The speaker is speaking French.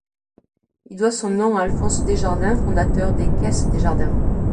Il doit son nom à Alphonse Desjardins, fondateur des Caisses Desjardins.